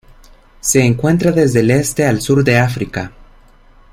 Se encuentra desde el este al sur de África.